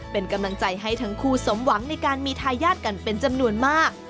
เป็นกำลังใจให้ทั้งคู่สมหวังในการมีทายาทกันเป็นจำนวนมาก